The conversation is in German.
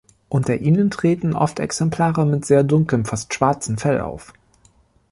Unter ihnen treten oft Exemplare mit sehr dunklem, fast schwarzen Fell auf.